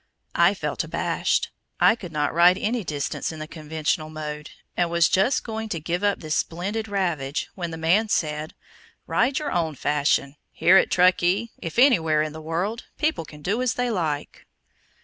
I felt abashed. I could not ride any distance in the conventional mode, and was just going to give up this splendid "ravage," when the man said, "Ride your own fashion; here, at Truckee, if anywhere in the world, people can do as they like."